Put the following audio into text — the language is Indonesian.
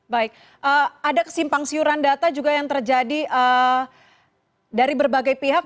baik ada kesimpang siuran data juga yang terjadi dari berbagai pihak